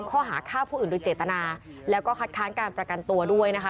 ข้อหาฆ่าผู้อื่นโดยเจตนาแล้วก็คัดค้านการประกันตัวด้วยนะคะ